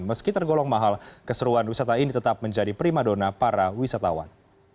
meski tergolong mahal keseruan wisata ini tetap menjadi prima dona para wisatawan